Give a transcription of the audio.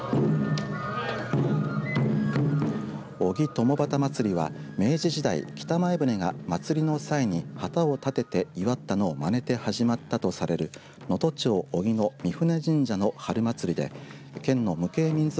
小木とも旗祭りは明治時代北前船が祭りの際に旗を立てて祝ったのをまねて始まったとされる能登町小木の御船神社の春祭りで県の無形民俗